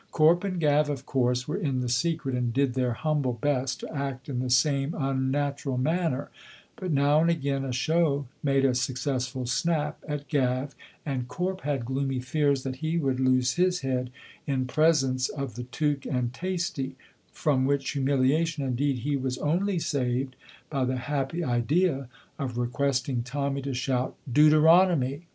Corp and Gav, of course, were in the secret and did their humble best to act in the same unnatural manner, but now and again a show made a successful snap at Gav, and Corp had gloomy fears that he would lose his head in presence of the Teuch and Tasty, from which humiliation indeed he was only saved by the happy idea of requesting Tommy to shout "Deuteronomy!"